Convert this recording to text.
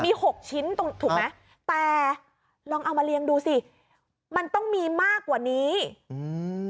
มีหกชิ้นตรงถูกไหมแต่ลองเอามาเรียงดูสิมันต้องมีมากกว่านี้อืม